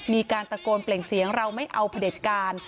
มีการตะโกนเปล่งเสียงเราไม่เอาพระเด็จการ